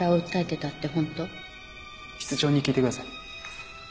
室長に聞いてください。